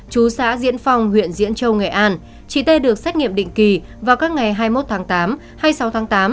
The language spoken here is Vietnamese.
chú xã diễn phong huyện diễn châu nghệ an chị t được xét nghiệm định kỳ vào các ngày hai mươi một tháng tám hai mươi sáu tháng tám